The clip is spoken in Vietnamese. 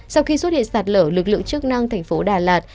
sau khi xuất hiện sạt lở lực lượng chức năng tp đà lạt